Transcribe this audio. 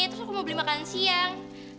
terus aku mau beli makan siang